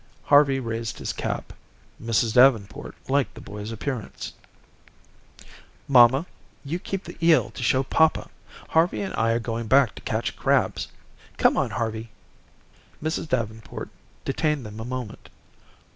Harvey raised his cap. Mrs. Davenport liked the boy's appearance. "Mamma, you keep the eel to show papa. Harvey and I are going back to catch crabs. Come on, Harvey." Mrs. Davenport detained them a moment.